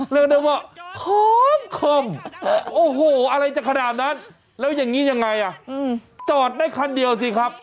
แล้วนึกว่าค่อมค่อมโอ้โหอะไรจะขนาดนั้นแล้วอย่างนี้ยังไงจอดได้ครั้งเดียวสิครับ